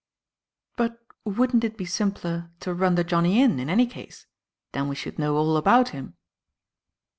"But wouldn't it be simpler to run the Johnnie in, in any case? Then we should know all about him."